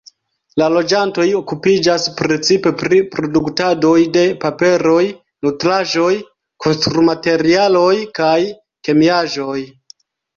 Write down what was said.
La loĝantoj okupiĝas precipe pri produktadoj de paperoj, nutraĵoj, konstrumaterialoj kaj kemiaĵoj.